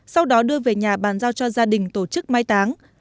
sau đó đưa về nhà bàn giao cho gia đình tổ chức mai táng